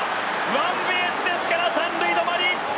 ワンベースですから３塁止まり。